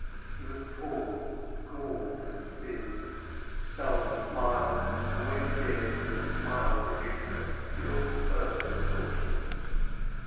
He was tall, gaunt, and thin, seldom smiled, and when he did, the smile produced a still further distortion.